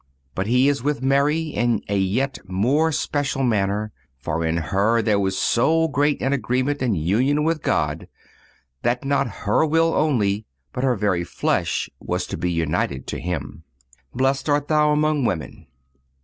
But He is with Mary in a yet more special manner, for in her there was so great an agreement and union with God that not her will only, but her very flesh was to be united to him."(243) _"__Blessed art Thou among women.